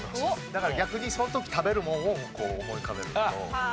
だから逆にその時食べるものを思い浮かべるけど。